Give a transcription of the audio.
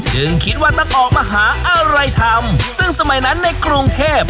จึงคิดว่าต้องออกมาหาอะไรทำซึ่งสมัยนั้นในกรุงเทพ